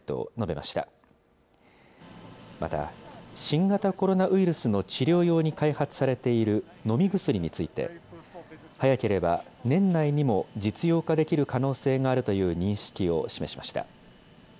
また、新型コロナウイルスの治療用に開発されている飲み薬について、早ければ年内にも実用化できる可能性があるという認識を示しました。